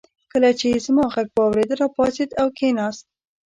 کله چې يې زما غږ واورېد راپاڅېد او کېناست.